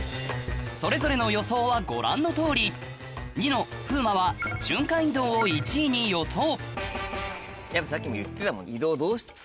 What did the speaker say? それぞれの予想はご覧のとおりニノ風磨は瞬間移動を１位に予想やっぱさっきも言ってたもん。